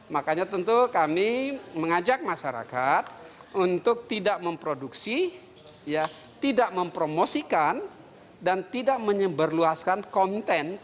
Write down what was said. makanya tentu kami mengajak masyarakat untuk tidak memproduksi tidak mempromosikan dan tidak menyeberluaskan konten